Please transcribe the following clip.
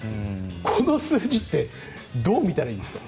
この数字ってどう見たらいいんですか？